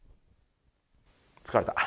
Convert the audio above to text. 疲れた。